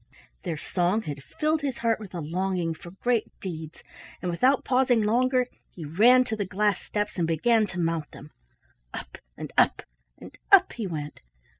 Their song had filled his heart with a longing for great deeds, and, without pausing longer, he ran to the glass steps and began to mount them. Up and up and up he went.